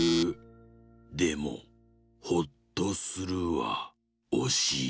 でもほっとするはおしい。